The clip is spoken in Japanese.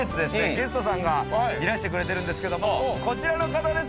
ゲストさんがいらしてくれてるんですけどもこちらの方です